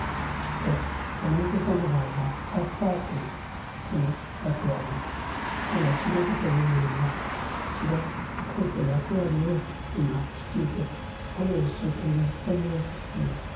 山本さんの場合はキャスターというその役割をこれは仕事というよりもむしろこうした役割を今引き受けてこれを一生懸命務めようとしています。